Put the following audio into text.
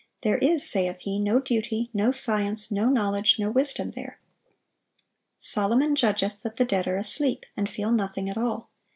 There is, saith he, no duty, no science, no knowledge, no wisdom there. Solomon judgeth that the dead are asleep, and feel nothing at all.